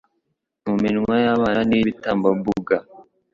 mu minwa y’abana n’iy’ibitambambuga